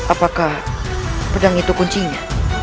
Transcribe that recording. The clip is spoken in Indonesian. apakah pedang itu kuncinya